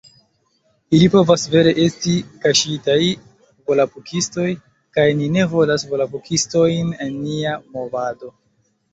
Ili povas vere esti kaŝitaj volapukistoj kaj ni ne volas volapukistojn en nia movado